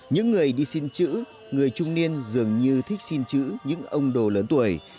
những người đi xin chữ người trung niên dường như thích xin chữ những ông đồ lớn tuổi